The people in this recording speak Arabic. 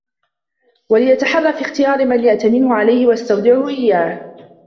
وَلْيَتَحَرَّ فِي اخْتِيَارِ مَنْ يَأْتَمِنُهُ عَلَيْهِ وَيَسْتَوْدِعُهُ إيَّاهُ